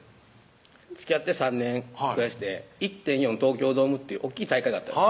つきあって３年ぐらいして１．４東京ドームっていう大っきい大会があったんです